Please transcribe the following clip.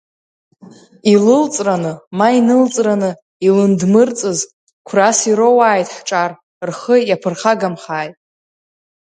Илылҵраны, ма инылҵраны илындмырҵыз, қәрас ироуааит ҳҿар, рхы иаԥырхагамхааит.